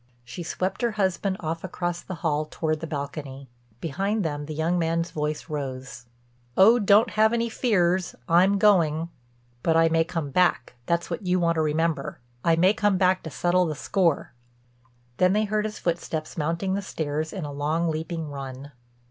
She swept her husband off across the hall toward the balcony. Behind them the young man's voice rose: "Oh don't have any fears. I'm going. But I may come back—that's what you want to remember—I may come back to settle the score." Then they heard his footsteps mounting the stairs in a long, leaping run.